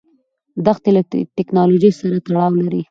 دښتې له تکنالوژۍ سره تړاو لري.